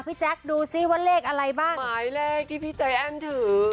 แจ๊คดูสิว่าเลขอะไรบ้างหมายเลขที่พี่ใจแอ้นถือ